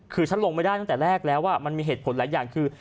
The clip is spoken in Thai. คือฉันลงไม่ได้ตั้งแต่แรกแล้วมันมีเหตุผลหลายอย่างคือ